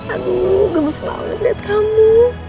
aduh gemes banget lihat kamu